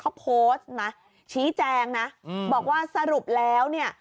เขาโพสต์นะชี้แจงนะบอกว่าสรุปแล้วเนี่ย